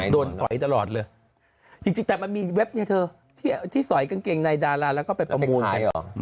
สอยตลอดเลยจริงแต่มันมีเว็บเนี่ยเธอที่สอยกางเกงในดาราแล้วก็ไปประมูลขาย